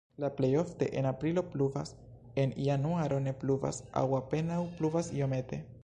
La plej ofte en aprilo pluvas, en januaro ne pluvas aŭ apenaŭ pluvas iomete.